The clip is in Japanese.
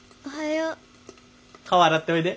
顔洗っておいで。